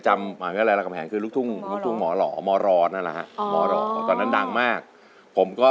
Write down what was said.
หลักแผงคือลูกทุ่งเหมารอ